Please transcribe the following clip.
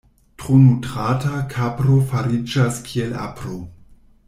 Tro nutrata kapro fariĝas kiel apro.